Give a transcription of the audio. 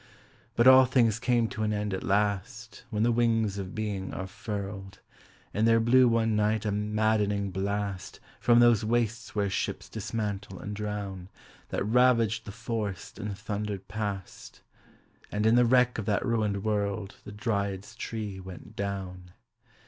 But all things come to an end at last When the wings of being are furled. And there blew one night a maddening blast From those wastes where ships dismantle and drown, That ravaged the forest and thundered past; And in the wreck of that ruined world The dryad's tree went down.